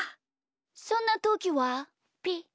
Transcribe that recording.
そんなときはピッ。